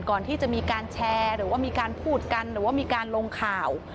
ก่อนที่จะมีการแชร์หรือว่ามีการพูดกันหรือว่ามีการลงข่าว